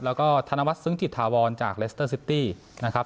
แล้วก็ธนวัฒนซึ้งจิตถาวรจากเลสเตอร์ซิตี้นะครับ